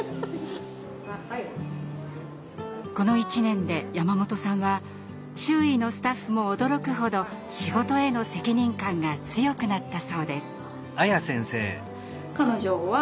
この一年で山本さんは周囲のスタッフも驚くほど仕事への責任感が強くなったそうです。